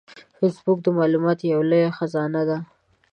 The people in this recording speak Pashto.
فېسبوک د معلوماتو یو لوی خزانه ده